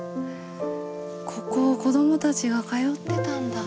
ここを子供たちが通ってたんだ。